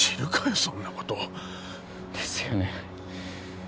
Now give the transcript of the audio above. そんなことですよね